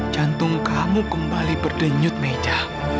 jantung kamu kembali berdenyut meja